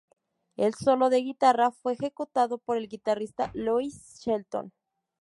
El solo de guitarra fue ejecutado por el guitarrista Louis Shelton.